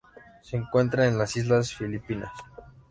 Se encuentran en las Islas Filipinas.